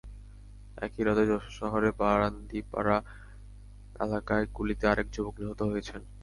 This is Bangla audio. একই রাতে যশোর শহরের বারান্দিপাড়া এলাকায় গুলিতে আরেক যুবক নিহত হয়েছেন।